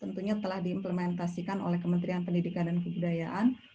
kementerian pendidikan dan kebudayaan telah diimplementasikan oleh kementerian pendidikan dan kebudayaan